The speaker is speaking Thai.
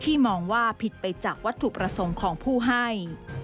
มองว่าผิดไปจากวัตถุประสงค์ของผู้ให้